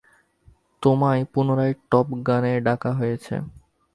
তোমায় পুনরায় টপ গান-এ ডাকা হয়েছে।